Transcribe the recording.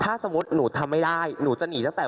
ถ้าสมมุติหนูทำไม่ได้หนูจะหนีตั้งแต่